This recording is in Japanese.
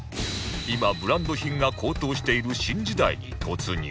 今ブランド品が高騰している新時代に突入